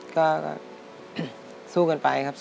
ก็สู้กันไปครับ